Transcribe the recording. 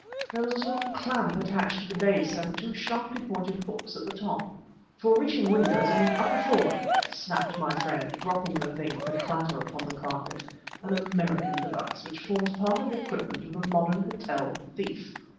There was a sort of clamp attached to the base, and two sharply pointed hooks at the top. "For reaching windows on an upper floor," snapped my friend, dropping the thing with a clatter upon the carpet. "An American device which forms part of the equipment of the modern hotel thief!"